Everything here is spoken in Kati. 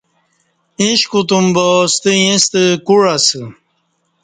ایݩش کوتوم با ستہ ایݩستہ کوع اسہ